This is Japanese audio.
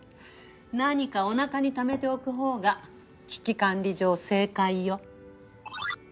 何かおなかにためておく方が危機管理上正解よ。